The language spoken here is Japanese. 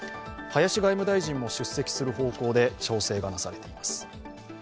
林外務大臣も出席する方向で調整がなされています。